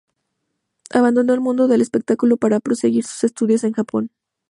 Abandonó el mundo del espectáculo, para proseguir sus estudios en Japón.